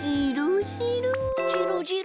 じろじろ。